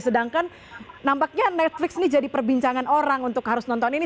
sedangkan nampaknya netflix ini jadi perbincangan orang untuk harus nonton ini